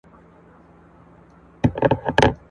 دا زوی مړې بله ورځ به کله وي ..